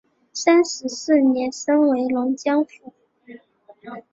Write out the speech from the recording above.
三十四年升为龙江府。